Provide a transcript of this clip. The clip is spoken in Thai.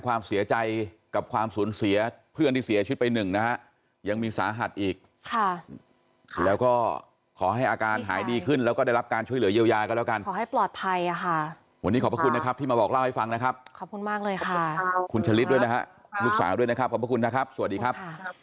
วันให้ดีนะครับขอบคุณนะครับสวัสดีครับครับสวัสดีครับสวัสดีครับ